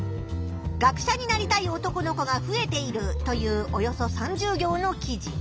「学者になりたい男の子が増えている」というおよそ３０行の記事。